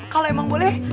kalau emang boleh